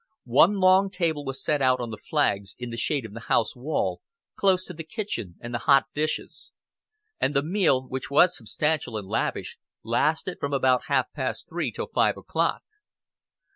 One long table was set out on the flags, in the shade of the house wall, close to the kitchen and the hot dishes; and the meal, which was substantial and lavish, lasted from about half past three till five o'clock.